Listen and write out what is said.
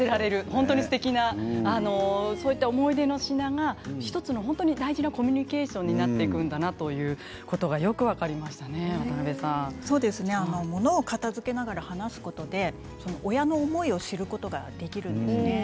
本当にすてきなそういう思い出の品が１つの大事なコミュニケーションになっていくんだなということが物を片づけながら話すことで親の思いを知ることができるんですね。